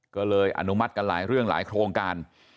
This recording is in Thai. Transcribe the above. ก็เลยอนุมัติกันหลายเรื่องหลายโครงการ